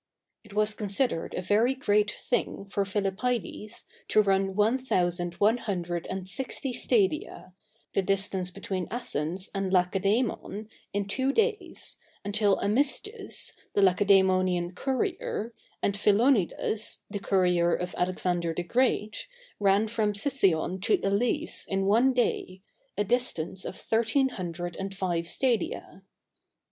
It was considered a very great thing for Philippides to run one thousand one hundred and sixty stadia, the distance between Athens and Lacedæmon, in two days, until Amystis, the Lacedæmonian courier, and Philonides, the courier of Alexander the Great, ran from Sicyon to Elis in one day, a distance of thirteen hundred and five stadia.